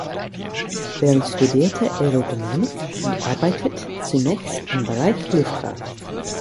Bell studierte Aerodynamik und arbeitete zunächst im Bereich Luftfahrt.